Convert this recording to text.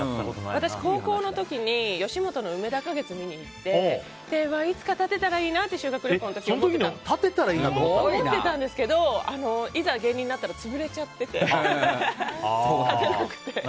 私、高校の時に吉本のうめだ花月、見に行っていつか立てたらいいなって修学旅行の時に思ってたんですけどいざ、芸人になったら潰れちゃってて、立てなくて。